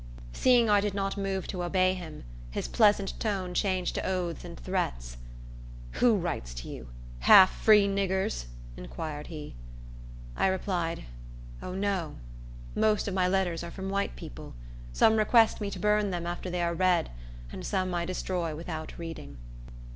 Seeing I did not move to obey him, his pleasant tone changed to oaths and threats. "Who writes to you? half free niggers?" inquired he. I replied, "O, no; most of my letters are from white people. Some request me to burn them after they are read, and some I destroy without reading."